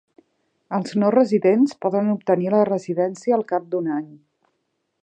Els no residents poden obtenir la residència al cap d'un any.